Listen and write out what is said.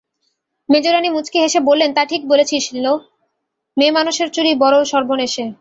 মেজোরানী মুচকে হেসে বললেন, তা ঠিক বলেছিস লো, মেয়েমানুষের চুরি বড়ো সর্বনেশে।